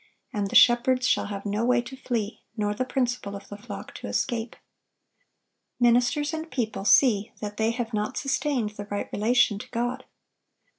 and the shepherds shall have no way to flee, nor the principal of the flock to escape."(1134) Ministers and people see that they have not sustained the right relation to God.